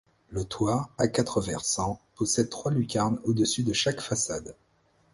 Le toit, à quatre versants, possède trois lucarnes au-dessus de chaque façade.